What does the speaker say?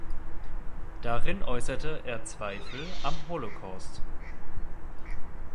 Darin äußerte er Zweifel am Holocaust.